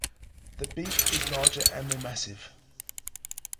The beak is larger and more massive.